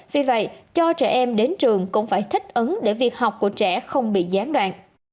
vì vậy cho trẻ em đến trường cũng phải thích ứng để việc học của trẻ không bị gián đoạn